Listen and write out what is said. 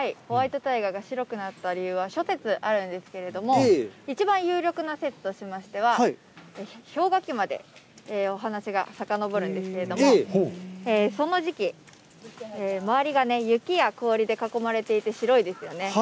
ホワイトタイガーが白くなった理由は、諸説あるんですけれども、一番有力な説としましては、氷河期までお話がさかのぼるんですけれども、その時期、周りが雪や氷で囲まれていて、白いですよね。